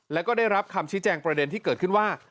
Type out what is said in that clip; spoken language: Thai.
แล้วก็ได้รับคำชี้แจงประเด็นที่เกิดขึ้นว่า